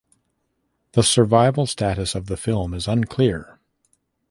The survival status of the film is unclear.